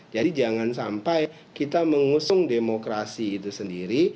jadi jangan sampai kita mengusung demokrasi itu sendiri